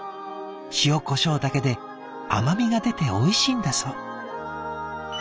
塩こしょうだけで甘みが出ておいしいんだそう」。